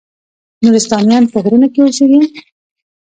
نورستانیان په غرونو کې اوسیږي؟